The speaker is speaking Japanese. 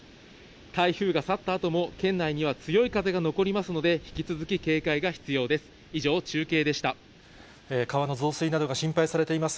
台風が去ったあとも、県内には強い風が残りますので、引き続き警戒が必要です。